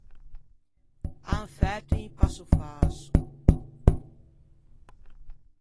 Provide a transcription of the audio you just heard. An fæto un passo fäso.